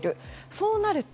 そうなると